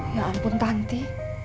ya ampun tanti